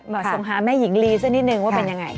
ส่งหาแม่หญิงลีซะนิดนึงว่าเป็นยังไง